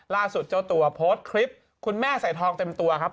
ล่าสุดเจ้าตัวโพสต์คลิปคุณแม่ใส่ทองเต็มตัวครับ